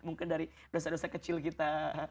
mungkin dari dosa dosa kecil kita